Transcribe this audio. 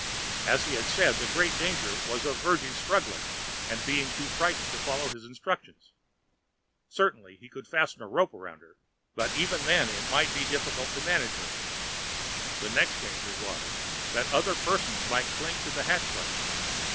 As he had said, the great danger was of Virginie struggling and being too frightened to follow his instructions. Certainly he could fasten a rope round her, but even then it might be difficult to manage her. The next danger was, that other persons might cling to the hatchway.